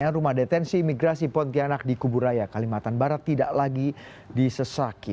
rumah detensi imigrasi pontianak di kuburaya kalimantan barat tidak lagi disesaki